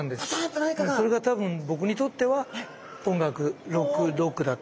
それが多分僕にとっては音楽ロックだった。